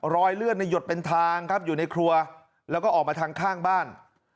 รอยเลือดในหยดเป็นทางครับอยู่ในครัวแล้วก็ออกมาทางข้างบ้าน